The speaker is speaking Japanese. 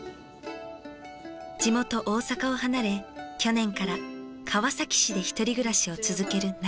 地元大阪を離れ去年から川崎市で１人暮らしを続ける半井。